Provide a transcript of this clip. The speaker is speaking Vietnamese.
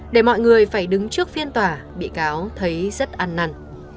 để mọi người phải đứng trước phiên tòa bị cáo thấy rất ăn năn